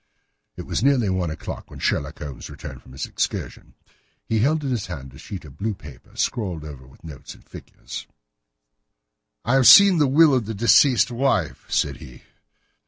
It was nearly one o'clock when Sherlock Holmes returned from his excursion. He held in his hand a sheet of blue paper, scrawled over with notes and figures. "I have seen the will of the deceased wife," said he.